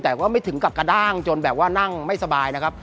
แต่ว่าไม่ถึงกับกระด้างจนแบบว่านั่งไม่สบายนะครับ